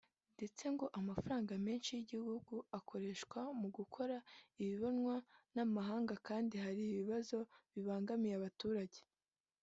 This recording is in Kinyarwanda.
ndetse ngo amafaranga menshi y’igihugu akoreshwa mu gukora ibibonwa n’amahanga kandi hari ibibazo bibangamiye abaturage